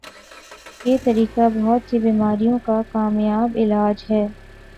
یہ طریقہ بہت سی بیماریوں کا کامیابعلاج ہے